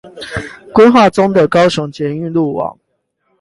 規劃中的高雄捷運路網